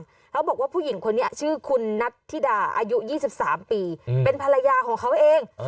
เขาบอกว่าผู้หญิงคนนี้ชื่อคุณนัทธิดาอายุ๒๓ปีเป็นภรรยาของเขาเอง